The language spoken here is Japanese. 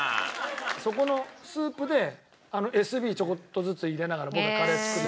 そこのスープでエスビーちょこっとずつ入れながら僕はカレーを作る。